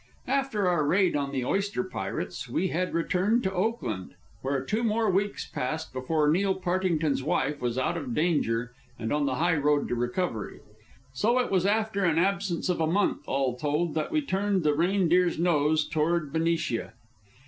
After our raid on the oyster pirates we had returned to Oakland, where two more weeks passed before Neil Partington's wife was out of danger and on the highroad to recovery. So it was after an absence of a month, all told, that we turned the Reindeer's nose toward Benicia.